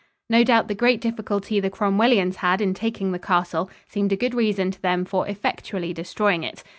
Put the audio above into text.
No doubt the great difficulty the Cromwellians had in taking the castle seemed a good reason to them for effectually destroying it.